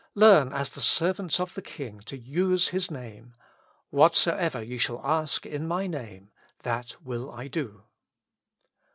Learn as the servants of the King to use His Name :" Whatsoever ye shall ask in my Name, that u^ill I do."